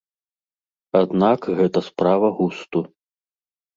Аднак гэта справа густу.